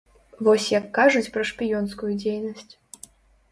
Вось як кажуць пра шпіёнскую дзейнасць.